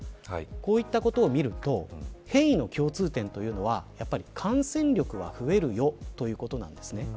こういったことを見ると変異の共通点というのは感染力が増えるよということなんですね。